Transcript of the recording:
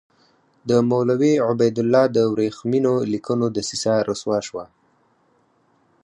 د مولوي عبیدالله د ورېښمینو لیکونو دسیسه رسوا شوه.